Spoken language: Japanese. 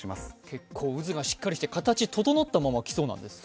結構、渦がしっかりして形、整ったまま来そうですか？